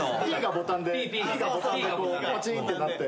Ｐがボタンでこうパチンってなって。